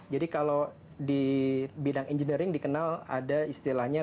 jadi kalau di bidang engineering dikenal ada istilahnya